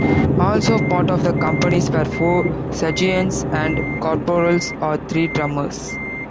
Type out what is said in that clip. Also part of the companies were four sergeants and corporals and three drummers.